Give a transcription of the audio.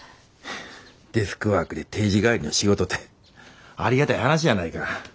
デスクワークで定時帰りの仕事てありがたい話やないか。